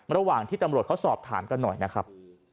ระหว่างที่ตำรวจเขาสอบถามกันหน่อยนะครับ